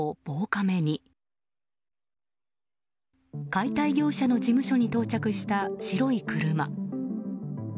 解体業者の事務所に到着した白い車。